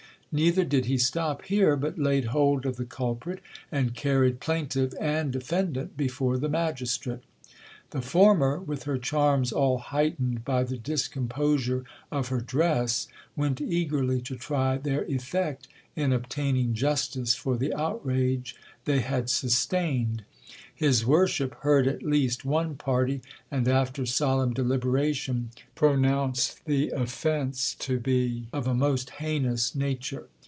Neither did he stop here ; but laid hold of the culprit, and carried plaintiff and defend ant before the magistrate. The former, with her charms all heightened by the discomposure of her dress, went eagerly to try their effect in obtaining justice for the outrage they had sustained. His Worship heard at least one party ; and after solemn deliberation pronounced the offence to be of a most heinous nature.